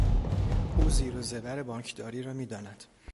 او زیر و زبر بانکداری را میداند.